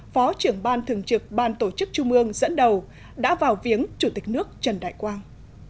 phó trưởng ban thường trực ban tổ chức trung ương dẫn đầu đã vào viếng chủ tịch nước trần đại quang